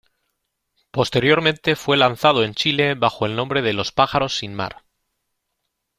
Posteriormente fue lanzado en Chile bajo el nombre de Los pájaros sin mar.